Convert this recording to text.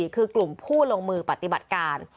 คือกลุ่มผู้ลงมือปฏิบัติการ